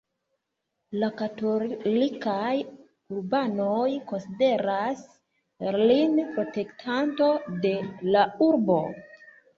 La katolikaj urbanoj konsideras lin protektanto de la urbo.